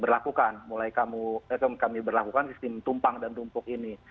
berlakukan mulai kami berlakukan sistem tumpang dan tumpuk ini